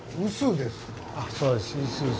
そうです